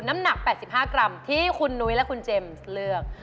น้ำหนัก๘๕กรัมที่คุณนุ้ยและคุณเจมส์เลือก